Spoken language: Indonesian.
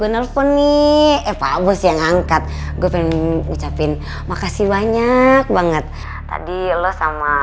telepon nih eh pak bos yang angkat gue pengen ngucapin makasih banyak banget tadi lo sama